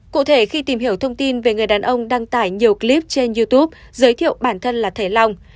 cụ thể khi tìm hiểu thông tin về người đàn ông đăng tải nhiều clip trên youtube giới thiệu bản thân là thầy long